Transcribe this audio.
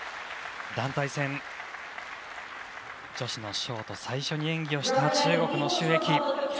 団体戦、女子のショート最初に演技をした中国の朱易。